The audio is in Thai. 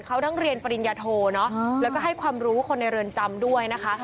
เขาทั้งเรียนปริญญาโทเนอะแล้วก็ให้ความรู้คนในเรือนจำด้วยนะคะ